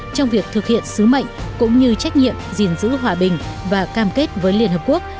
trong việc thực hiện sứ mệnh cũng như trách nhiệm gìn giữ hòa bình và cam kết với liên hợp quốc